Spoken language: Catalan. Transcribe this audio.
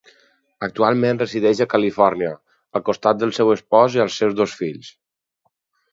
Actualment resideix a Califòrnia al costat del seu espòs i els seus dos fills.